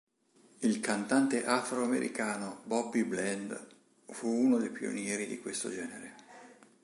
Il cantante afroamericano Bobby Bland fu uno dei pionieri di questo genere.